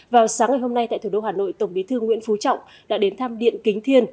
vào sáng ngày hôm nay tại thủ đô hà nội tổng bí thư nguyễn phú trọng đã đến thăm điện kính thiên